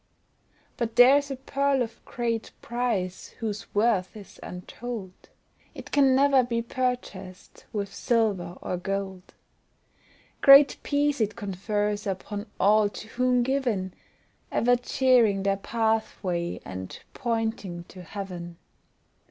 But there's a pearl of great price, whose worth is untold, It can never he purchased with silver or gold; Great peace it confers upon all to whom given, Ever cheering their pathway, and pointing to heaven.